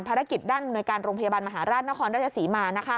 ภารกิจด้านอำนวยการโรงพยาบาลมหาราชนครราชศรีมา